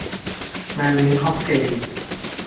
งานเลี้ยงค็อกเทล